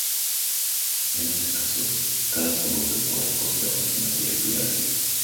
En ese caso, cada sabor de quark posee una simetría quiral.